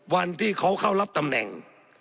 วันที่เขาเข้ารับตำแหน่ง